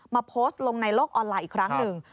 โพสต์ลงในโลกออนไลน์อีกครั้งหนึ่ง